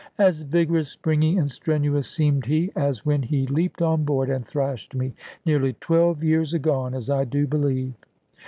As vigorous, springy, and strenuous seemed he, as when he leaped on board and thrashed me, nearly twelve years agone, as I do believe.